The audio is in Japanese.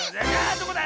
あどこだ